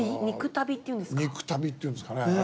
肉足袋っていうんですかね